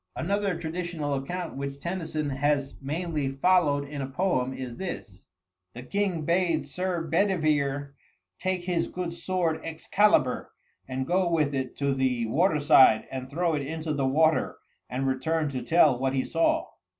Another traditional account which Tennyson has mainly followed in a poem, is this: The king bade Sir Bedivere take his good sword Excalibur and go with it to the water side and throw it into the water and return to tell what he saw.